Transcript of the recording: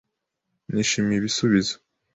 Nishimiye ibisubizo.